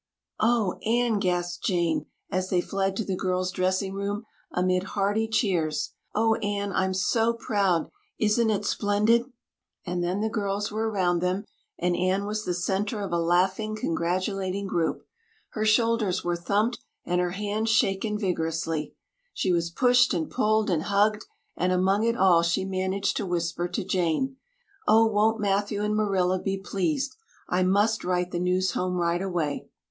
"Oh, Anne," gasped Jane, as they fled to the girls' dressing room amid hearty cheers. "Oh, Anne I'm so proud! Isn't it splendid?" And then the girls were around them and Anne was the center of a laughing, congratulating group. Her shoulders were thumped and her hands shaken vigorously. She was pushed and pulled and hugged and among it all she managed to whisper to Jane: "Oh, won't Matthew and Marilla be pleased! I must write the news home right away."